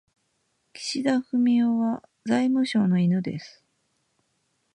岸田文雄は財務省の犬です。